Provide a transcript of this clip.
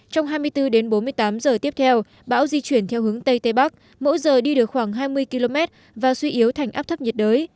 trong hai mươi bốn đến bốn mươi tám giờ tiếp theo bão di chuyển theo hướng tây tây bắc mỗi giờ đi được khoảng hai mươi km và suy yếu thành áp thấp nhiệt đới